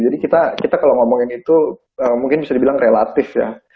jadi kita kalau ngomongin itu mungkin bisa dibilang relatif ya